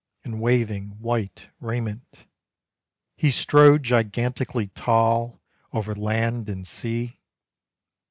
In waving white raiment He strode gigantically tall Over land and sea.